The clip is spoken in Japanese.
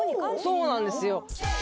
そうなんですよ。